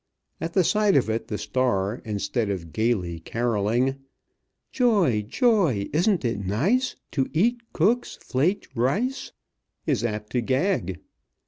At the sight of it the star, instead of gaily carolling, "Joy! joy! isn't it nice To eat Cook's Flaked Rice," is apt to gag.